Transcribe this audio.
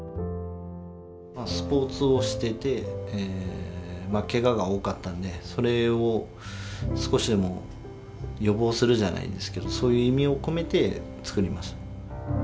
まあスポーツをしててケガが多かったんでそれを少しでも予防するじゃないですけどそういう意味を込めて作りました。